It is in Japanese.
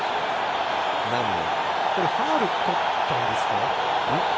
ファウルを取ったんですか？